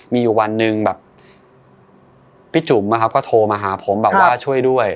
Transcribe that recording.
มีอยู่วันหนึ่งแบบพี่จุ๋มนะครับก็โทรมาหาผมแบบว่าช่วยด้วย